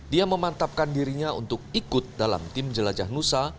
dia memantapkan dirinya untuk ikut dalam tim jelajah nusa